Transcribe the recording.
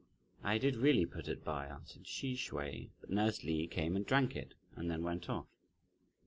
"I did really put it by," answered Hsi Hsüeh, "but nurse Li came and drank it, and then went off."